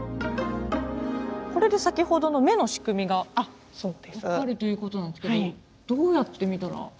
これで先ほどの目の仕組みが分かるということなんですけどどうやって見たら？